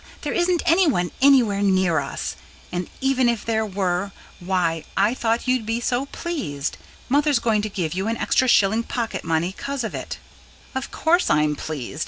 there isn't anyone anywhere near us ... and even if there were why, I thought you'd be so pleased. Mother's going to give you an extra shilling pocket money, 'cause of it." "Of course I'm pleased.